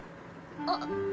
あっ。